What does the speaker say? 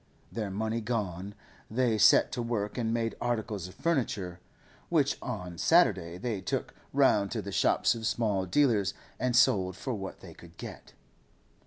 Their money gone, they set to work and made articles of furniture, which on Saturday they took round to the shops of small dealers and sold for what they could get.